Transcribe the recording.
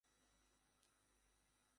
এটি পূর্বে যুগোস্লাভিয়া অন্তর্গত ছিল।